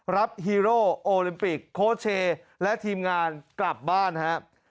รับฮีโรโอลิมปิกโคเชและทีมงานกลับบ้านนะฮะ